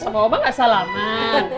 sama oma gak salah man